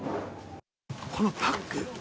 このパック。